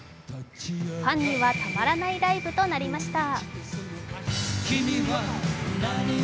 ファンにはたまらないライブとなりました。